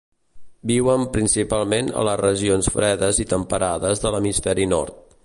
Viuen principalment a les regions fredes i temperades de l'hemisferi nord.